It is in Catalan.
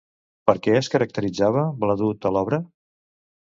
Per què es caracteritzava Bladud a l'obra?